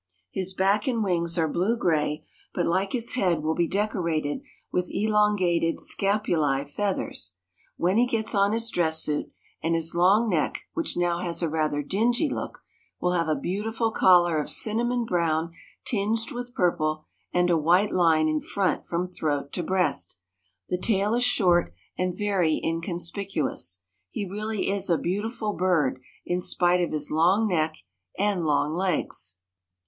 His back and wings are blue gray, but like his head will be decorated with elongated scapulæ feathers, when he gets on his dress suit, and his long neck, which now has a rather dingy look, will have a beautiful collar of cinnamon brown tinged with purple and a white line in front from throat to breast. The tail is short and very inconspicuous. He really is a beautiful bird in spite of his long neck and long legs.